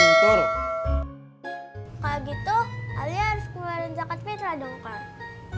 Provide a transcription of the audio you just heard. kalau gitu alia harus keluarin zakat fitrah dong kak